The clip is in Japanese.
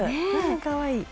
かわいい。